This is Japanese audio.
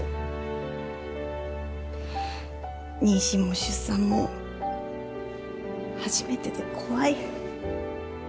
妊娠も出産も初めてで怖い。